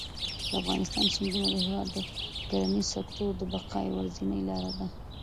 د افغانستان سیندونه د هېواد د کرنیز سکتور د بقا یوازینۍ لاره ده.